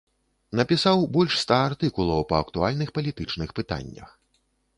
Напісаў больш ста артыкулаў па актуальных палітычных пытаннях.